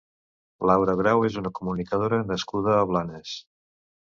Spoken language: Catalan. Laura Grau és una comunicadora nascuda a Blanes.